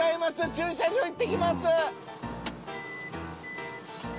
駐車場行ってきます。